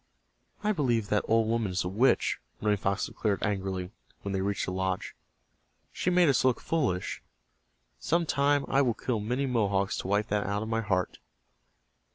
"I believe that old woman is a witch," Running Fox declared, angrily, when they reached the lodge. "She made us look foolish. Some time I will kill many Mohawks to wipe that out of my heart."